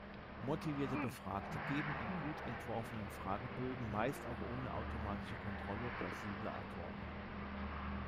Motivierte Befragte geben in gut entworfenen Fragebögen meist auch ohne automatische Kontrolle plausible Antworten.